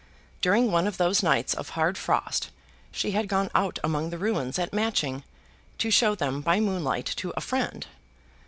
During one of those nights of hard frost she had gone out among the ruins at Matching, to show them by moonlight to a friend.